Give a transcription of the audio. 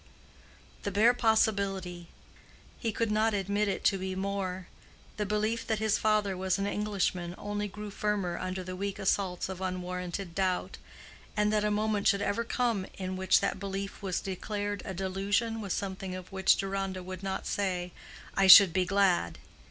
"The bare possibility." He could not admit it to be more. The belief that his father was an Englishman only grew firmer under the weak assaults of unwarranted doubt. And that a moment should ever come in which that belief was declared a delusion, was something of which Deronda would not say, "I should be glad."